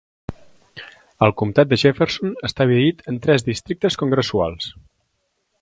El comtat de Jefferson està dividit en tres districtes congressuals.